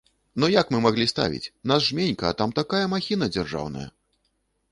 Ну як мы маглі ставіць, нас жменька, а там такая махіна дзяржаўная?!